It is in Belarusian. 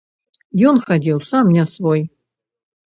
Ён хадзіў сам не свой.